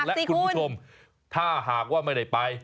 และคุณผู้ชมถ้าหากว่าไม่ได้ไป